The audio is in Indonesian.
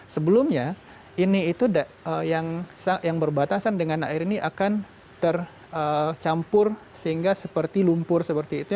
sebelumnya ini itu yang berbatasan dengan air ini akan tercampur sehingga seperti lumpur seperti itu